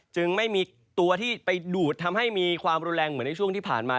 จึงไม่มีตัวที่ไปดูดทำให้มีความรุนแรงเหมือนในช่วงที่ผ่านมา